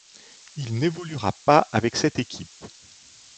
Il n’évoluera pas avec cette équipe.